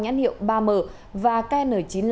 nhãn hiệu ba m và kn chín mươi năm